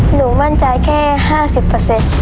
หนูมั่นใจแค่ห้าสิบเปอร์เซต